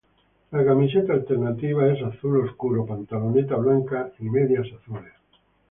La camiseta alternativa es azul oscuro, pantaloneta blanca y medias azules.